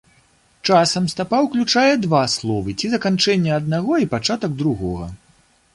Часам стапа ўключае два словы ці заканчэнне аднаго і пачатак другога.